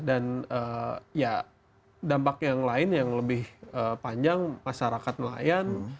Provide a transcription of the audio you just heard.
dan ya dampak yang lain yang lebih panjang masyarakat nelayan harus melautasi